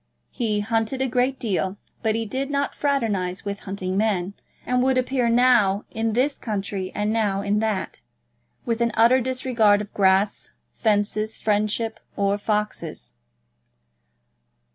He hunted a great deal, but he did not fraternise with hunting men, and would appear now in this county and now in that, with an utter disregard of grass, fences, friendships, or foxes.